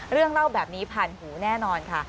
เรื่องเล่าแบบนี้ผ่านหูแน่นอนค่ะ